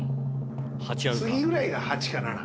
次ぐらいが８かな？